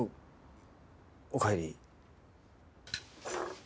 おおかえり。